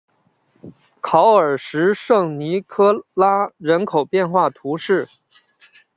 考尔什圣尼科拉人口变化图示